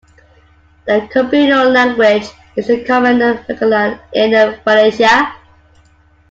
The Cebuano language is the common vernacular in Valencia.